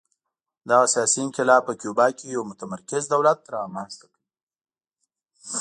دغه سیاسي انقلاب په کیوبا کې یو متمرکز دولت رامنځته کړ